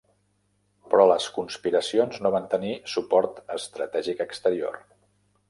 Però les conspiracions no van tenir suport estratègic exterior.